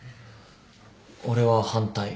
俺は反対。